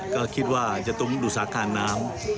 ก็คิดว่าจะต้องดูสาขาน้ำ